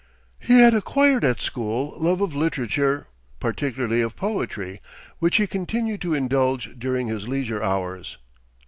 He had acquired at school love of literature, particularly of poetry, which he continued to indulge during his leisure hours.